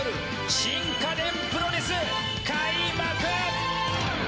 新家電プロレス、開幕！